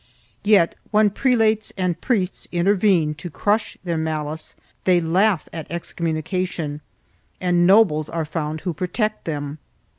Yet when prelates and priests intervene to crush their malice, they laugh at excom munication and nobles are found who protect them.